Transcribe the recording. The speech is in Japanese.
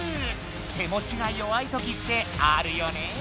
手もちがよわいときってあるよね。